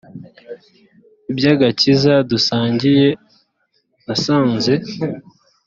iby agakiza dusangiye nasanze